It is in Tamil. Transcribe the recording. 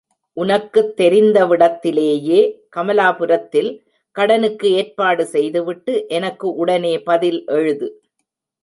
உனக்குத் தெரிந்தவிடத்திலேயே, கமலாபுரத்தில் கடனுக்கு ஏற்பாடு செய்துவிட்டு, எனக்கு உடனே பதில் எழுது.